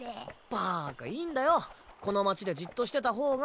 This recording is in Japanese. バカいいんだよこの町でじっとしてた方が。